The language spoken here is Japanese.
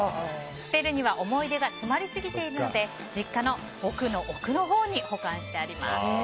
捨てるには思い出が詰まりすぎているので実家の奥の奥のほうに保管してあります。